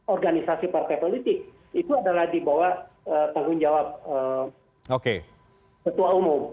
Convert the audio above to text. organisasi partai politik itu adalah di bawah tanggung jawab ketua umum